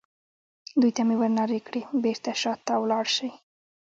دوی ته مې ور نارې کړې: بېرته شا ته ولاړ شئ.